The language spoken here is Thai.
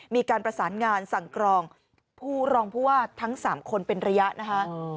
มีการประสานงานสั่งกรองผู้รองผู้ว่าทั้ง๓คนเป็นระยะนะคะ